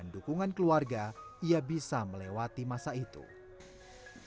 keadaan umum dan keadaan men fikir terima kasih dapat mempertimbangkan diri saya juga